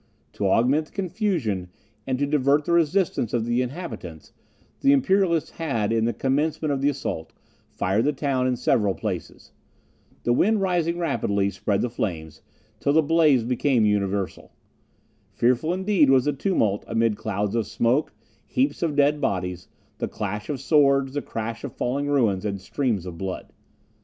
To augment the confusion and to divert the resistance of the inhabitants, the Imperialists had, in the commencement of the assault, fired the town in several places. The wind rising rapidly, spread the flames, till the blaze became universal. Fearful, indeed, was the tumult amid clouds of smoke, heaps of dead bodies, the clash of swords, the crash of falling ruins, and streams of blood.